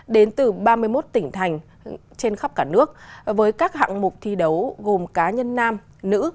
đến từ ba mươi một tỉnh thành trên khắp cả nước với các hạng mục thi đấu gồm cá nhân nam nữ